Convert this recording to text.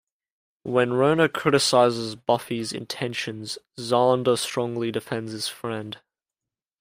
When Rona criticizes Buffy's intentions, Xander strongly defends his friend.